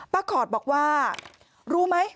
ขอดบอกว่ารู้ไหม